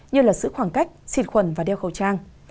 như là giữ khoảng cách xịt khuẩn và đeo khẩu trang